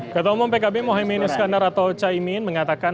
kata umum pkb mohamad iskandar atau chaimin mengatakan